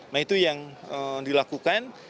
nah itu yang dilakukan